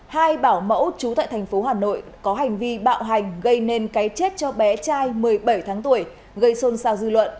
hai bảo mẫu trú tại thành phố hà nội có hành vi bạo hành gây nên cái chết cho bé trai một mươi bảy tháng tuổi gây xôn xao dư luận